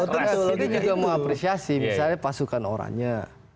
jadi juga mengapresiasi misalnya pasukan orangnya